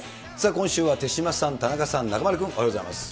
今週は手嶋さん、田中さん、中丸君、おはようございます。